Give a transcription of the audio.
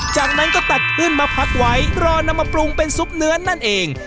จากนั้นก็ตัดขึ้นมาพักไว้รอนำมาปรุงเป็นซุปเนื้อนั่นเอง